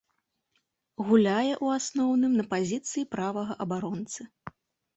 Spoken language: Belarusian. Гуляе, у асноўным, на пазіцыі правага абаронцы.